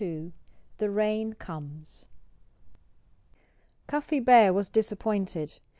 XXII THE RAIN COMES Cuffy Bear was disappointed.